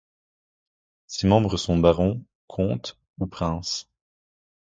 Ses membres sont barons, comtes ou princes.